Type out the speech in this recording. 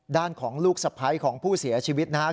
ด้านของลูกสะพ้ายของผู้เสียชีวิตนะครับ